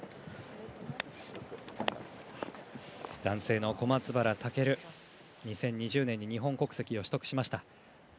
男性の小松原尊は２０２０年に日本国籍を取得しました。